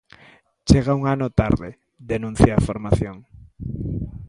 "Chega un ano tarde", denuncia a formación.